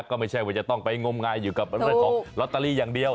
ก็ไม่ใช่ว่าจะต้องไปงมงายอยู่กับเรื่องของลอตเตอรี่อย่างเดียว